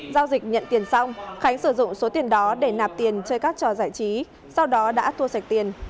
giao dịch nhận tiền xong khánh sử dụng số tiền đó để nạp tiền chơi các trò giải trí sau đó đã thua sạch tiền